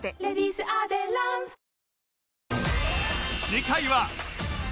次回は